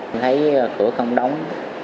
em thấy cửa không đóng